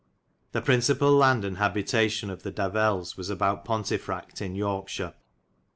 The principal land and habitation of the Davelles was about Pontefracte in Yorkeshire.